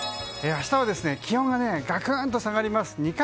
明日は気温ががくんと下がります。